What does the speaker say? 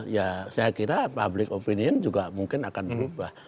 ya saya kira public opinion juga mungkin akan berubah